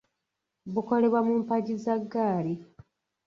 Bukolebwa mu mpagi za ggaali.